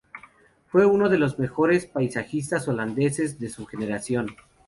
Fue uno de los mejores paisajistas holandeses de su generación.